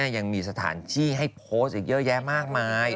ยังมีสถานที่ให้โพสต์อีกเยอะแยะมากมาย